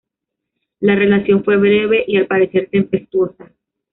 La relación fue breve y, al parecer, tempestuosa.